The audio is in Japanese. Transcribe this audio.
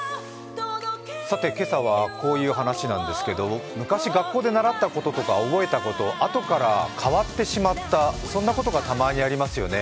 今朝はこういう話なんですけど、昔学校で習ったこととか覚えたこと、あとから変わってしまったそんなことがたまにありますよね。